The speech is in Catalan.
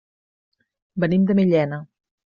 Venim de Millena.